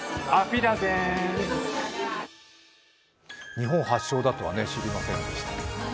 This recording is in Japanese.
日本発祥だとは知りませんでした。